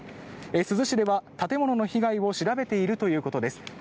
珠洲市では建物の被害を調べているということです。